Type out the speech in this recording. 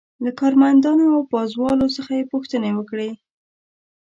له کارمندانو او پازوالو څخه یې پوښتنې وکړې.